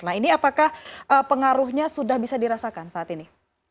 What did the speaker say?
nah ini apakah pengaruhnya sudah bisa dirasakan saat ini